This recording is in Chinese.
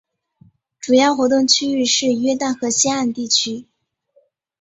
主要活动区域是约旦河西岸地区。